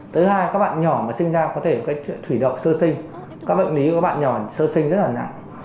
thứ hai các bạn nhỏ mà sinh ra có thể thủy độc sơ sinh các bệnh lý của các bạn nhỏ sơ sinh rất là nặng